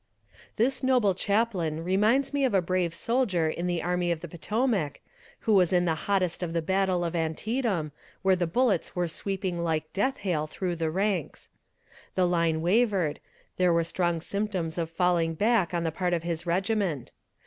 This noble chaplain reminds me of a brave soldier in the Army of the Potomac, who was in the hottest of the battle at Antietam, where the bullets were sweeping like death hail through the ranks. The line wavered; there were strong symptoms of falling back on the part of his regiment.